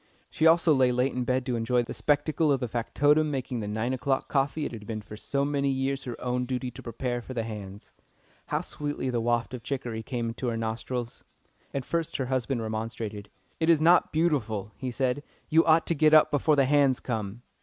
She also lay late in bed to enjoy the spectacle of the factotum making the nine o'clock coffee it had been for so many years her own duty to prepare for the "hands." How sweetly the waft of chicory came to her nostrils! At first her husband remonstrated. "It is not beautiful," he said. "You ought to get up before the 'hands' come."